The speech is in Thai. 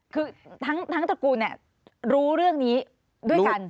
คือทั้งตระกูลรู้เรื่องนี้ด้วยกัน